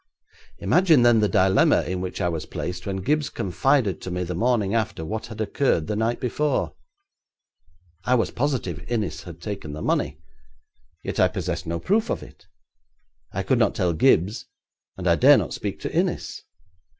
Imagine then the dilemma in which I was placed when Gibbes confided to me the morning after what had occurred the night before. I was positive Innis had taken the money, yet I possessed no proof of it. I could not tell Gibbes, and I dare not speak to Innis.